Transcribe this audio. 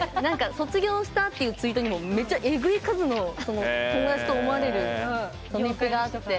卒業したっていうツイートにもえぐい数の友達と思われるリプがあって。